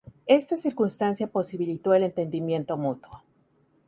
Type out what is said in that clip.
Esta circunstancia posibilitó el entendimiento mutuo.